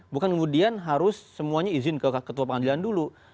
bukan kemudian harus semuanya izin ke ketua pengadilan dulu